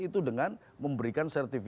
itu dengan memberikan sertifikasi